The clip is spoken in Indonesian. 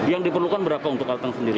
yang diperlukan berapa untuk hal hal sendiri